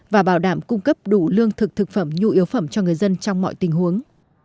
và bảo đảm cung cấp đủ lương thực thực phẩm nhu yếu phẩm cho người dân trong mọi tình huống